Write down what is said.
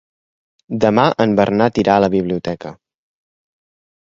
Demà en Bernat irà a la biblioteca.